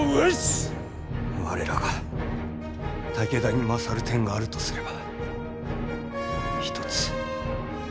我らが武田に勝る点があるとすれば一つ。